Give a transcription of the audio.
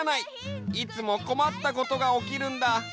いつもこまったことがおきるんだ。